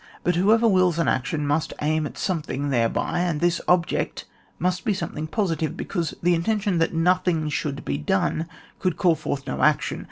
But whoever wills an action must aim at something thereby, and this ob ject must be something pMitive^ because the intention that nothing should he done, could call forth no action.